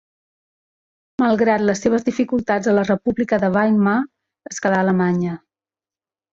Malgrat les seves dificultats a la República de Weimar, es quedà a Alemanya.